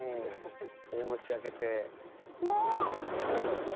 大口開けて「もう！」。